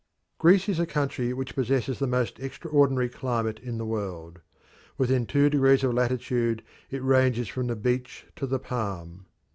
Greece is a country which possesses the most extraordinary climate in the world. Within two degrees of latitude it ranges from the beech to the palm.